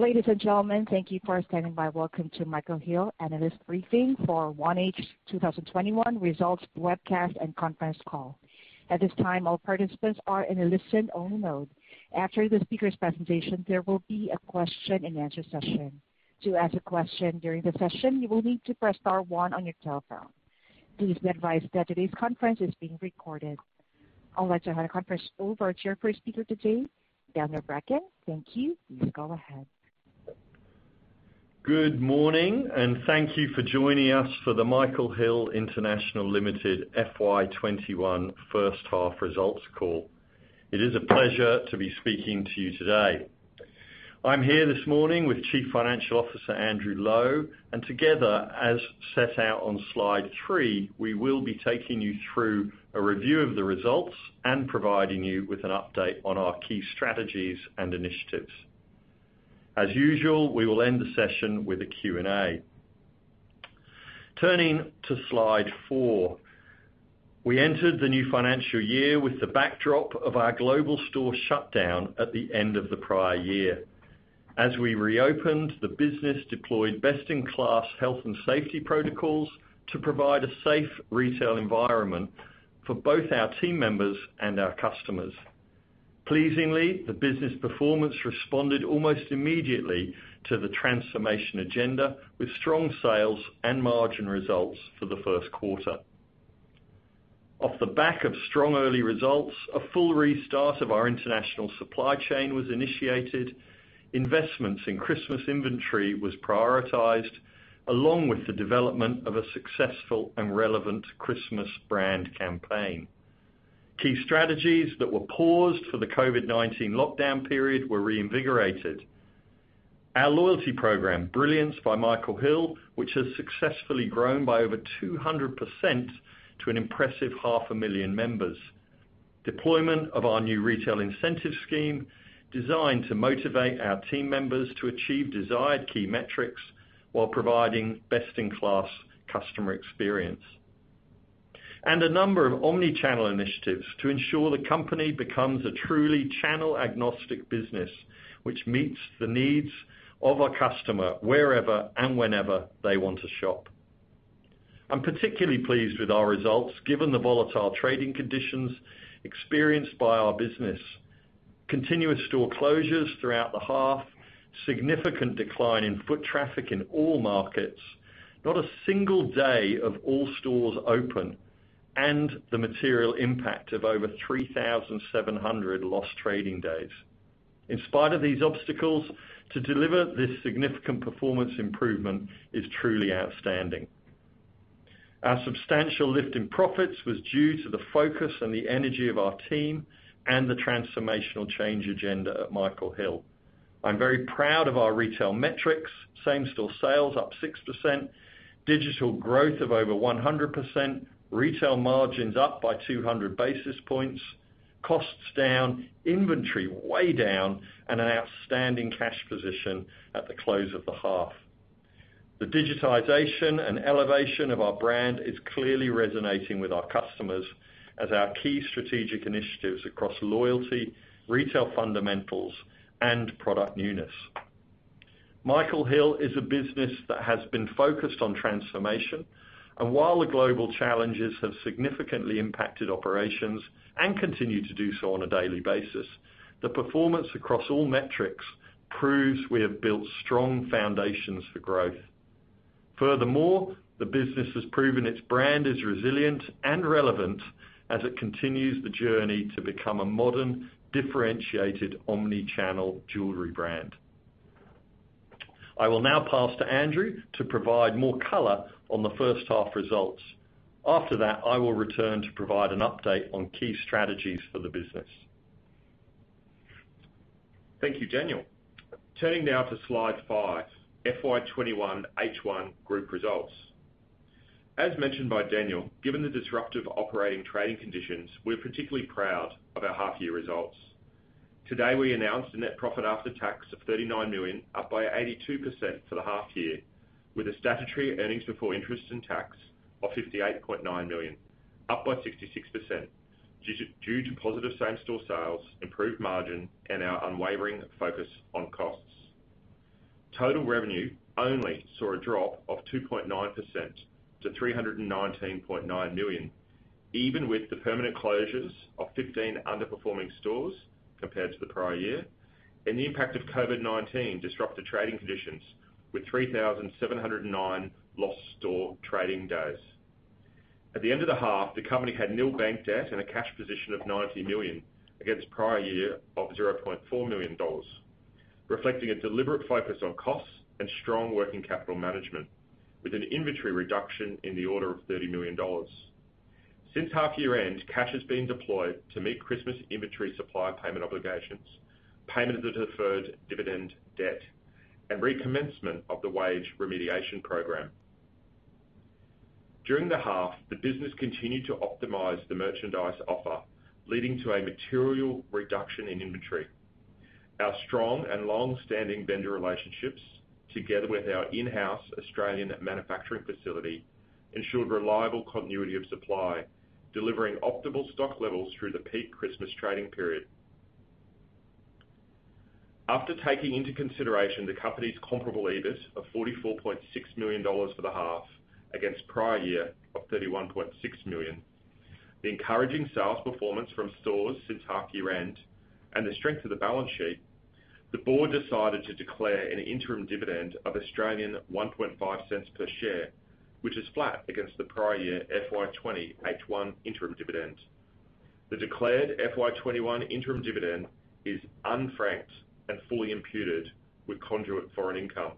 Ladies and gentlemen, thank you for standing by. Welcome to Michael Hill Analyst Briefing for 1H 2021 Results Webcast and Conference Call. At this time, all participants are in a listen-only mode. After the speakers' presentation, there will be a question-and-answer session. To ask a question during the session, you will need to press star one on your telephone. Please be advised that today's conference is being recorded. I'll let you have a conference over to our chairperson for today, Daniel Bracken. Thank you. Please go ahead. Good morning. Thank you for joining us for the Michael Hill International Limited FY 2021 first-half results call. It is a pleasure to be speaking to you today. I'm here this morning with Chief Financial Officer Andrew Lowe, and together, as set out on slide three, we will be taking you through a review of the results and providing you with an update on our key strategies and initiatives. As usual, we will end the session with a Q&A. Turning to slide four. We entered the new financial year with the backdrop of our global store shutdown at the end of the prior year. As we reopened, the business deployed best-in-class health and safety protocols to provide a safe retail environment for both our team members and our customers. Pleasingly, the business performance responded almost immediately to the transformation agenda with strong sales and margin results for the first quarter. Off the back of strong early results, a full restart of our international supply chain was initiated. Investments in Christmas inventory was prioritized, along with the development of a successful and relevant Christmas brand campaign. Key strategies that were paused for the COVID-19 lockdown period were reinvigorated. Our loyalty program, Brilliance by Michael Hill, which has successfully grown by over 200% to an impressive half a million members. Deployment of our new retail incentive scheme, designed to motivate our team members to achieve desired key metrics while providing best-in-class customer experience. A number of omnichannel initiatives to ensure the company becomes a truly channel-agnostic business which meets the needs of our customer wherever and whenever they want to shop. I'm particularly pleased with our results given the volatile trading conditions experienced by our business. Continuous store closures throughout the half, significant decline in foot traffic in all markets, not a single day of all stores open, and the material impact of over 3,700 lost trading days. In spite of these obstacles, to deliver this significant performance improvement is truly outstanding. Our substantial lift in profits was due to the focus and the energy of our team and the transformational change agenda at Michael Hill. I'm very proud of our retail metrics. Same-store sales up 6%, digital growth of over 100%, retail margins up by 200 basis points, costs down, inventory way down, and an outstanding cash position at the close of the half. The digitization and elevation of our brand is clearly resonating with our customers as our key strategic initiatives across loyalty, retail fundamentals, and product newness. Michael Hill is a business that has been focused on transformation, and while the global challenges have significantly impacted operations and continue to do so on a daily basis, the performance across all metrics proves we have built strong foundations for growth. Furthermore, the business has proven its brand is resilient and relevant as it continues the journey to become a modern, differentiated, omnichannel jewelry brand. I will now pass to Andrew to provide more color on the first half results. After that, I will return to provide an update on key strategies for the business. Thank you, Daniel. Turning now to slide five, FY 2021 H1 group results. As mentioned by Daniel, given the disruptive operating trading conditions, we're particularly proud of our half-year results. Today, we announced a net profit after tax of 39 million, up by 82% for the half year, with a statutory earnings before interest and tax of 58.9 million, up by 66%, due to positive same-store sales, improved margin, and our unwavering focus on costs. Total revenue only saw a drop of 2.9% to 319.9 million, even with the permanent closures of 15 underperforming stores compared to the prior year and the impact of COVID-19 disrupted trading conditions with 3,709 lost store trading days. At the end of the half, the company had nil bank debt and a cash position of 90 million against prior year of 0.4 million dollars, reflecting a deliberate focus on costs and strong working capital management with an inventory reduction in the order of 30 million dollars. Since half-year end, cash is being deployed to meet Christmas inventory supplier payment obligations, payment of the deferred dividend debt, and recommencement of the wage remediation program. During the half, the business continued to optimize the merchandise offer, leading to a material reduction in inventory. Our strong and long-standing vendor relationships, together with our in-house Australian manufacturing facility ensured reliable continuity of supply, delivering optimal stock levels through the peak Christmas trading period. After taking into consideration the company's comparable EBIT of 44.6 million dollars for the half against prior year of 31.6 million, the encouraging sales performance from stores since half year-end, and the strength of the balance sheet, the board decided to declare an interim dividend of 0.015 per share, which is flat against the prior year FY 2020 H1 interim dividend. The declared FY 2021 interim dividend is unfranked and fully imputed with conduit foreign income.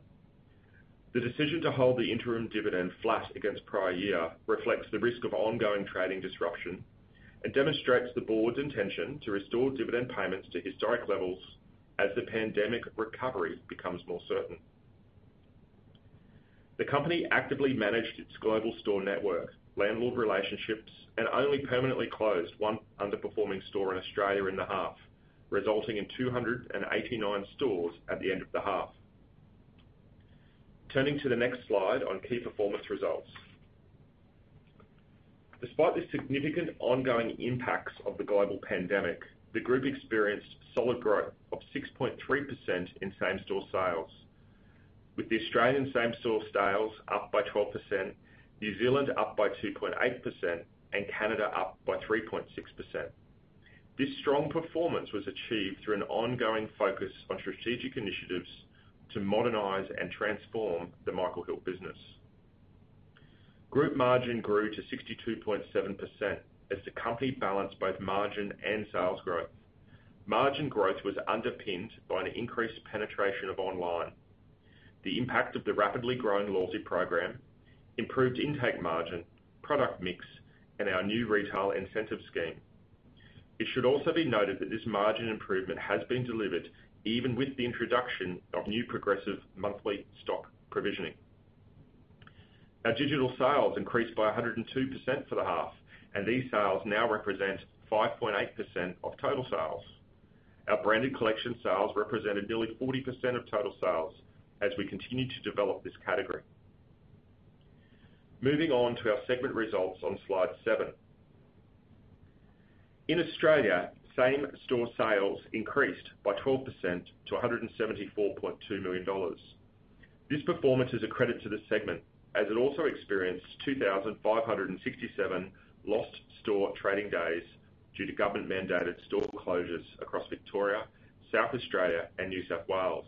The decision to hold the interim dividend flat against prior year reflects the risk of ongoing trading disruption and demonstrates the board's intention to restore dividend payments to historic levels as the pandemic recovery becomes more certain. The company actively managed its global store network, landlord relationships, and only permanently closed one underperforming store in Australia in the half, resulting in 289 stores at the end of the half. Turning to the next slide on key performance results. Despite the significant ongoing impacts of the global pandemic, the group experienced solid growth of 6.3% in same-store sales, with the Australian same-store sales up by 12%, New Zealand up by 2.8%, and Canada up by 3.6%. This strong performance was achieved through an ongoing focus on strategic initiatives to modernize and transform the Michael Hill business. Group margin grew to 62.7% as the company balanced both margin and sales growth. Margin growth was underpinned by an increased penetration of online, the impact of the rapidly growing loyalty program, improved intake margin, product mix, and our new retail incentive scheme. It should also be noted that this margin improvement has been delivered even with the introduction of new progressive monthly stock provisioning. Our digital sales increased by 102% for the half, these sales now represent 5.8% of total sales. Our branded collection sales represented nearly 40% of total sales as we continue to develop this category. Moving on to our segment results on slide seven. In Australia, same-store sales increased by 12% to 174.2 million dollars. This performance is a credit to the segment as it also experienced 2,567 lost store trading days due to government-mandated store closures across Victoria, South Australia, and New South Wales,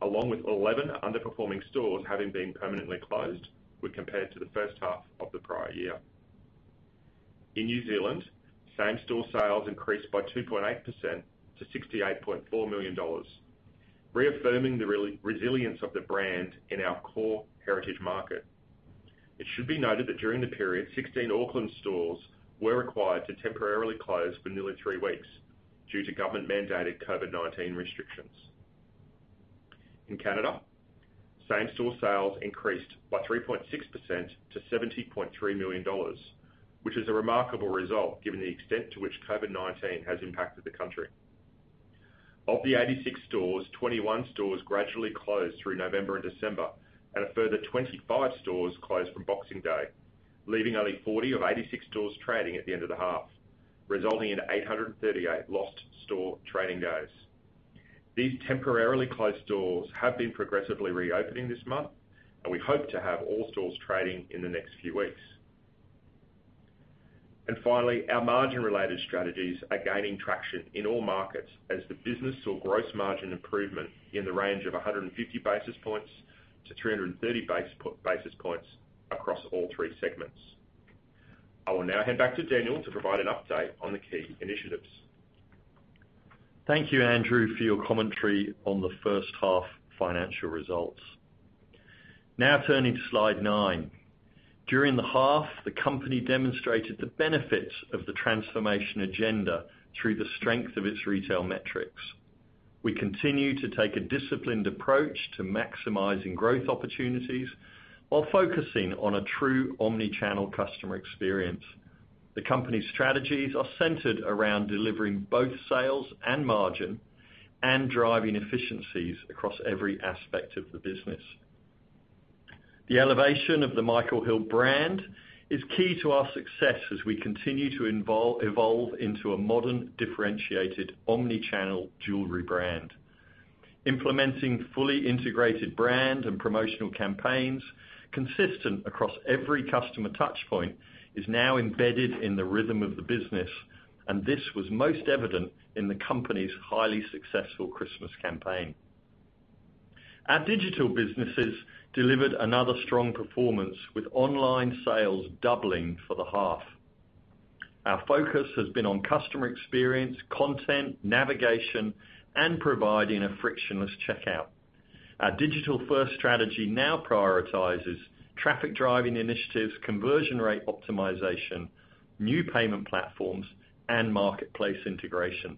along with 11 underperforming stores having been permanently closed when compared to the first half of the prior year. In New Zealand, same-store sales increased by 2.8% to 68.4 million dollars, reaffirming the resilience of the brand in our core heritage market. It should be noted that during the period, 16 Auckland stores were required to temporarily close for nearly three weeks due to government-mandated COVID-19 restrictions. In Canada, same-store sales increased by 3.6% to 70.3 million dollars, which is a remarkable result given the extent to which COVID-19 has impacted the country. Of the 86 stores, 21 stores gradually closed through November and December, and a further 25 stores closed from Boxing Day, leaving only 40 of 86 stores trading at the end of the half, resulting in 838 lost store trading days. These temporarily closed stores have been progressively reopening this month, we hope to have all stores trading in the next few weeks. Finally, our margin-related strategies are gaining traction in all markets as the business saw gross margin improvement in the range of 150 basis points to 330 basis points across all three segments. I will now hand back to Daniel to provide an update on the key initiatives. Thank you, Andrew, for your commentary on the first half financial results. Now turning to slide nine. During the half, the company demonstrated the benefits of the transformation agenda through the strength of its retail metrics. We continue to take a disciplined approach to maximizing growth opportunities while focusing on a true omnichannel customer experience. The company's strategies are centered around delivering both sales and margin and driving efficiencies across every aspect of the business. The elevation of the Michael Hill brand is key to our success as we continue to evolve into a modern, differentiated, omnichannel jewelry brand. Implementing fully integrated brand and promotional campaigns consistent across every customer touch point is now embedded in the rhythm of the business, and this was most evident in the company's highly successful Christmas campaign. Our digital businesses delivered another strong performance, with online sales doubling for the half. Our focus has been on customer experience, content, navigation, and providing a frictionless checkout. Our digital-first strategy now prioritizes traffic-driving initiatives, conversion rate optimization, new payment platforms, and marketplace integration.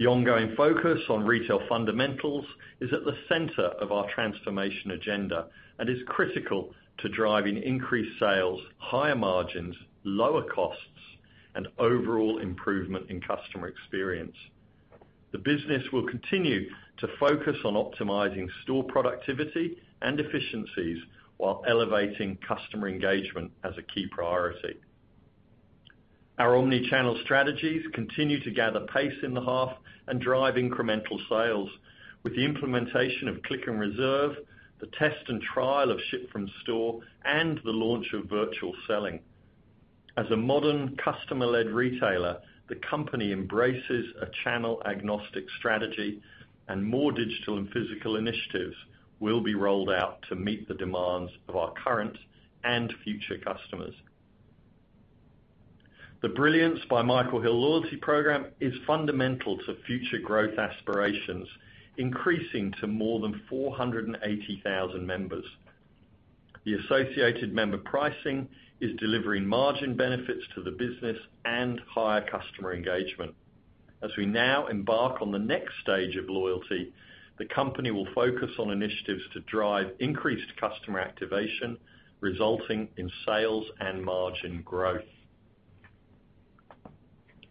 The ongoing focus on retail fundamentals is at the center of our transformation agenda and is critical to driving increased sales, higher margins, lower costs, and overall improvement in customer experience. The business will continue to focus on optimizing store productivity and efficiencies while elevating customer engagement as a key priority. Our omnichannel strategies continue to gather pace in the half and drive incremental sales with the implementation of Click and Reserve, the test and trial of Ship from Store, and the launch of virtual selling. As a modern customer-led retailer, the company embraces a channel-agnostic strategy and more digital and physical initiatives will be rolled out to meet the demands of our current and future customers. The Brilliance by Michael Hill loyalty program is fundamental to future growth aspirations, increasing to more than 480,000 members. The associated member pricing is delivering margin benefits to the business and higher customer engagement. As we now embark on the next stage of loyalty, the company will focus on initiatives to drive increased customer activation, resulting in sales and margin growth.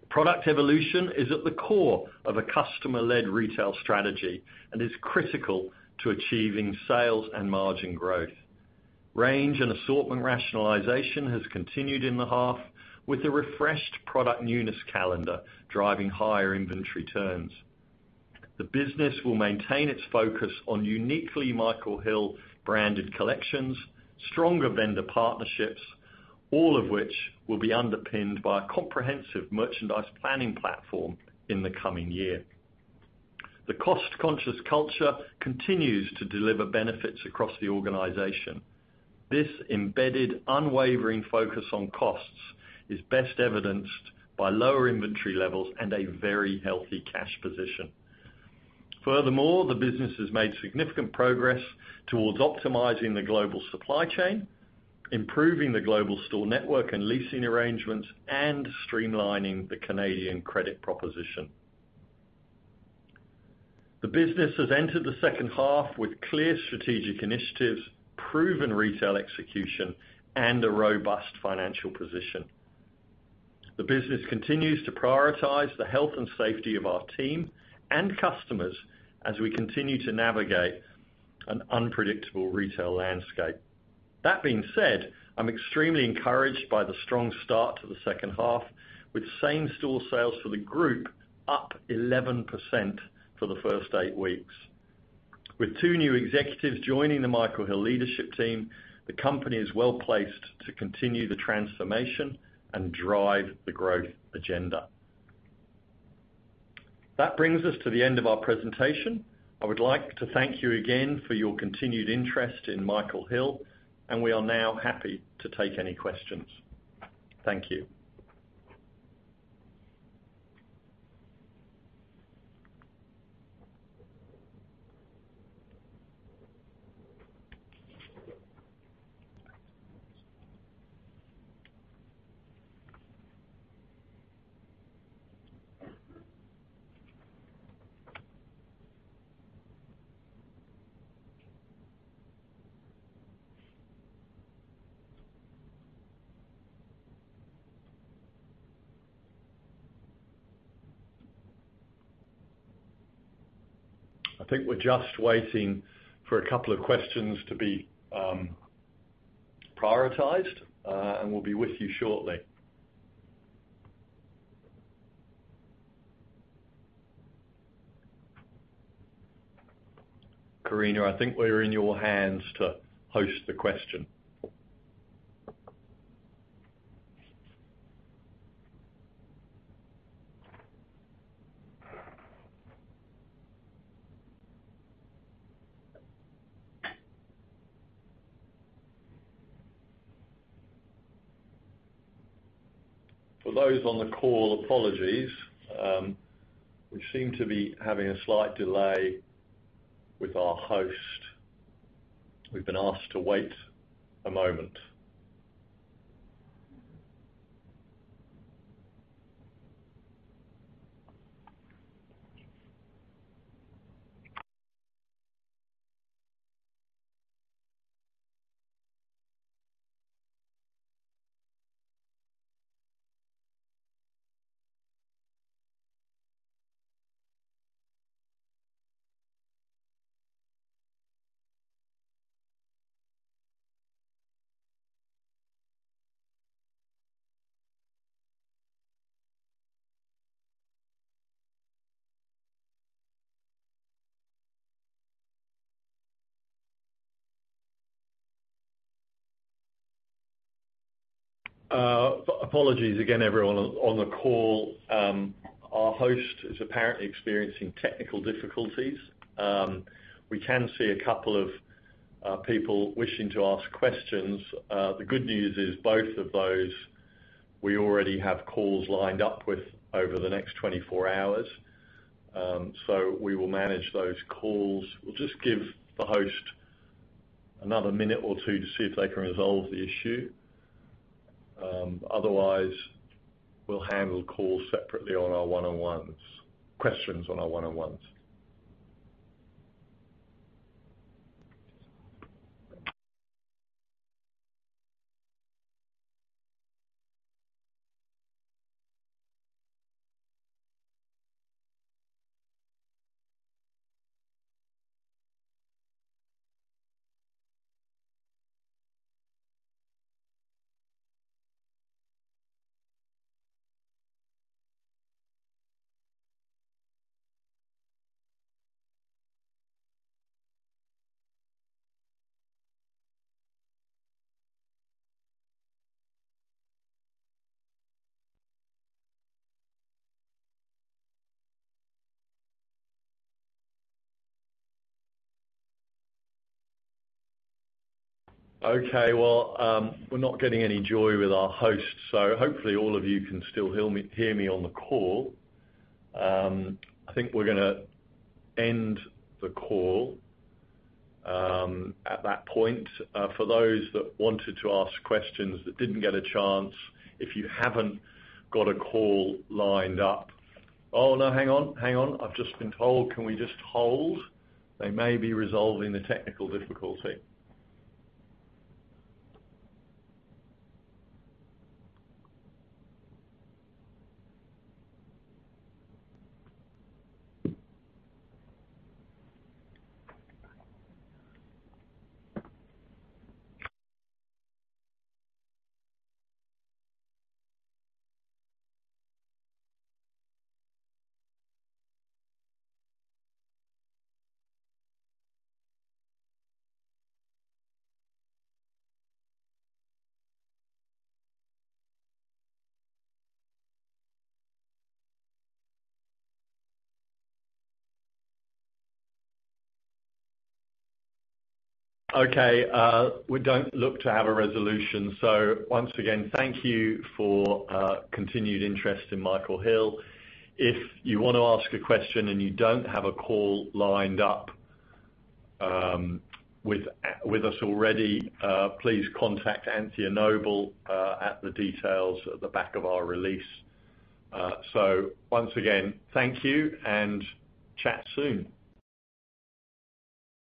Product evolution is at the core of a customer-led retail strategy and is critical to achieving sales and margin growth. Range and assortment rationalization has continued in the half with a refreshed product newness calendar driving higher inventory turns. The business will maintain its focus on uniquely Michael Hill branded collections, stronger vendor partnerships, all of which will be underpinned by a comprehensive merchandise planning platform in the coming year. The cost-conscious culture continues to deliver benefits across the organization. This embedded, unwavering focus on costs is best evidenced by lower inventory levels and a very healthy cash position. Furthermore, the business has made significant progress towards optimizing the global supply chain, improving the global store network and leasing arrangements, and streamlining the Canadian credit proposition. The business has entered the second half with clear strategic initiatives, proven retail execution, and a robust financial position. The business continues to prioritize the health and safety of our team and customers as we continue to navigate an unpredictable retail landscape. That being said, I'm extremely encouraged by the strong start to the second half with same-store sales for the group up 11% for the first eight weeks. With two new executives joining the Michael Hill leadership team, the company is well-placed to continue the transformation and drive the growth agenda. That brings us to the end of our presentation. I would like to thank you again for your continued interest in Michael Hill. We are now happy to take any questions. Thank you. I think we're just waiting for a couple of questions to be prioritized, and we'll be with you shortly. Karina, I think we're in your hands to host the question. For those on the call, apologies. We seem to be having a slight delay with our host. We've been asked to wait a moment. Apologies again, everyone on the call. Our host is apparently experiencing technical difficulties. We can see a couple of people wishing to ask questions. The good news is both of those we already have calls lined up with over the next 24 hours. We will manage those calls. We'll just give the host another minute or two to see if they can resolve the issue. Otherwise, we'll handle calls separately on our one-on-ones, questions on our one-on-ones. Okay. Well, we're not getting any joy with our host, hopefully all of you can still hear me on the call. I think we're going to end the call at that point. For those that wanted to ask questions that didn't get a chance, if you haven't got a call lined up. Oh, no, hang on. I've just been told, can we just hold? They may be resolving the technical difficulty. Okay. We don't look to have a resolution. Once again, thank you for continued interest in Michael Hill. If you want to ask a question and you don't have a call lined up with us already, please contact Anthea Noble at the details at the back of our release. Once again, thank you and chat soon.